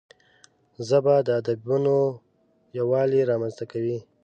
ژبه د ادبونو یووالی رامنځته کوي